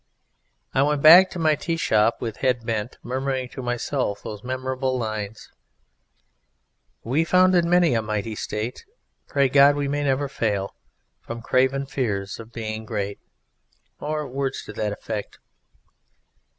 I went back to my tea shop with head bent, murmuring to myself those memorable lines: We founded many a mighty State, Pray God that we may never fail From craven fears of being great (or words to that effect).